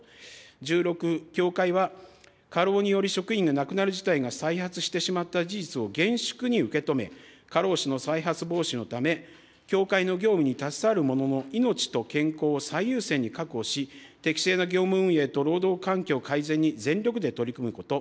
１６、協会は過労による職員が亡くなる事態が再発してしまった事実を厳粛に受け止め、過労死の再発防止のため、協会の業務に携わる者の命と健康を最優先に確保し、適正な業務運営と労働環境改善に全力で取り組むこと。